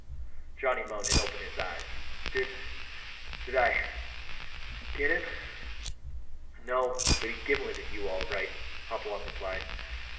Johnny moaned and opened his eyes. "Did did I get him?" "No; but he gimleted you, all right," Hopalong replied.